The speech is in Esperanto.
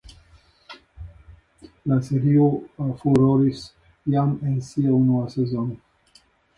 La serio furoris jam en sia unua sezono.